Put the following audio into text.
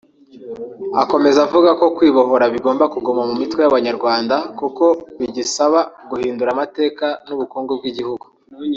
Akomeza avuga ko kwibohora bigomba kuguma mu mitwe y’Abanyarwanda kuko bigisaba guhindura amateka n’ubukungu by’igihugu